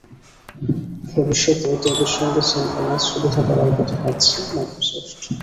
ভবিষ্যতে ট্যাবের সঙ্গে সিনক্রোনাইজ সুবিধা দেওয়ার কথা ভাবছে মাইক্রোসফট।